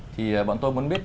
thì bọn tôi muốn biết